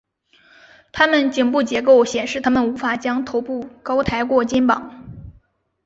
它们颈部结构显示它们无法将头部高抬过肩膀。